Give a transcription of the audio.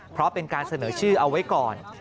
เพราะเป็นการเสนอชื่อเอาไว้ก่อน